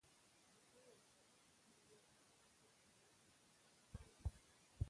ابو کلاب څنګه یې؟ هغه ورته کړه لکه څنګه مې چې وینې،